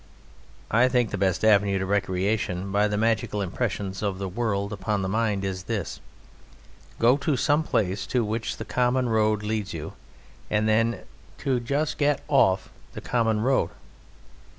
I think the best avenue to recreation by the magical impressions of the world upon the mind is this: To go to some place to which the common road leads you and then to get just off the common road.